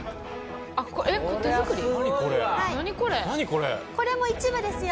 これも一部ですよ